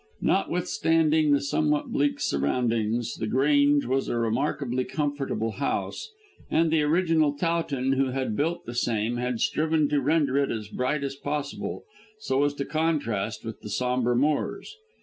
Notwithstanding the somewhat bleak surroundings, The Grange was a remarkably comfortable house, and the original Towton who had built the same had striven to render it as bright as possible, so as to contrast with the sombre moors.